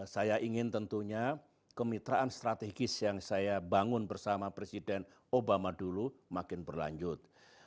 saya ingin tentunya kemitraan strategis yang saya bangun bersama presiden obama dulu makin berlanjut